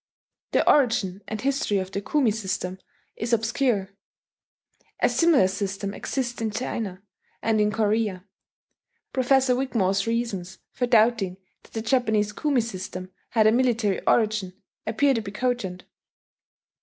The origin and history of the Kumi system is obscure: a similar system exists in China and in Korea. (Professor Wigmore's reasons for doubting that the Japanese Kumi system had a military origin, appear to be cogent.)